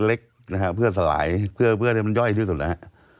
เล็กนะฮะเพื่อสลายเพื่อให้มันย่อยที่สุดนะฮะ